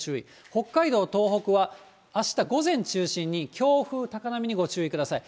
北海道、東北はあした午前中心に、強風、高波にご注意ください。